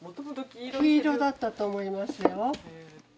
黄色だったと思いますよ。